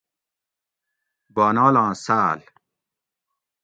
بانالاں ساۤل